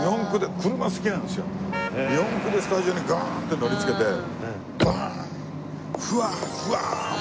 四駆でスタジオにガーンって乗りつけてバーン！